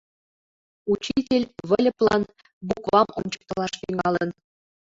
Учитель Выльыплан буквам ончыктылаш тӱҥалын.